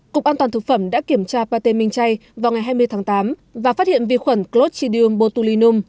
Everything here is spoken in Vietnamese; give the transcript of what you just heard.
cục an toàn thực phẩm đã kiểm tra pate minh chay vào ngày hai mươi tháng tám và phát hiện vi khuẩn clotchidul botulinum